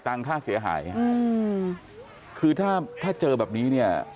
ตังค่าเสียหายคือถ้าเจอแบบนี้เนี่ย